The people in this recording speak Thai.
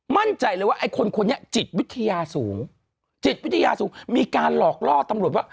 มั่นใจเลยว่าไอ้คนคนนี้จิตวิทยาสูงจิตวิทยาสูงมีการหลอกล่อตำรวจว่า